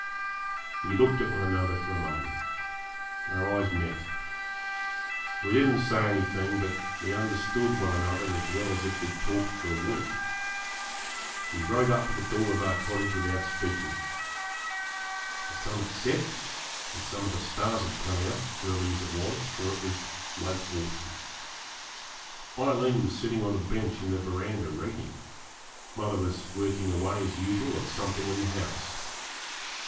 We looked at one another for a moment. Our eyes met. We didn't say anything; but we understood one another as well as if we had talked for a week. We rode up to the door of our cottage without speaking. The sun had set, and some of the stars had come out, early as it was, for it was late autumn. Aileen was sitting on a bench in the verandah reading, mother was working away as usual at something in the house.